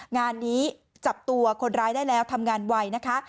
งานนี้จับตัวคนร้ายได้แล้วทำงานไวนะคะ